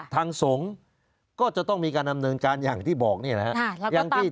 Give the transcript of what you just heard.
ทางสงฆ์ต้องมีการนำเนินการที่เราบอก